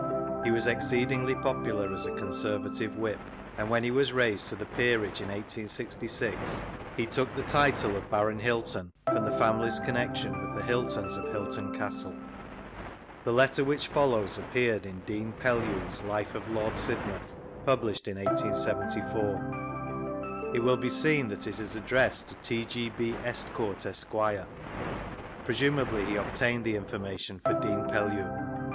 He was exceedingly popular as a Conservative Whip, and when he was raised to the Peerage in 1866, he took the title of Baron Hylton from the family's connection with the Hyltons of Hylton Castle. The letter which follows appeared in Dean Pdlew's Life of Lord Sidmouth, published in 1S47. 45 N Google 46 THREE ACCOUNTS OF PETERLOO It will be seen that it is addressed to T. G. B. Estcoutt, Esq.; presumably he obtained the in formation for Dean Pellew.